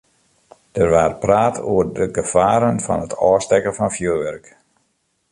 Der waard praat oer de gefaren fan it ôfstekken fan fjurwurk.